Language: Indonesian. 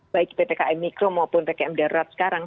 baik ptkm mikro maupun ptkm darurat sekarang